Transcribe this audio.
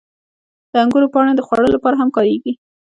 • د انګورو پاڼې د خوړو لپاره هم کارېږي.